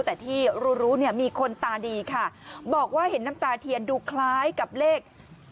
แต่ที่รู้รู้เนี่ยมีคนตาดีค่ะบอกว่าเห็นน้ำตาเทียนดูคล้ายกับเลข๗